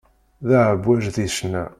D aεebbwaj di ccna.